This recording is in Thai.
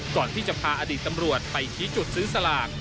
ก่อนที่จะพาอดีตตำรวจไปชี้จุดซื้อสลาก